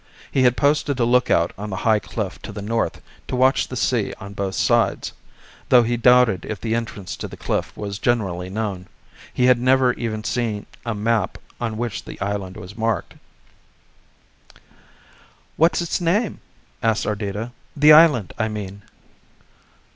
He had posted a lookout on the high cliff to the north to watch the sea on both sides, though he doubted if the entrance to the cliff was generally known he had never even seen a map on which the island was marked. "What's its name," asked Ardita "the island, I mean?"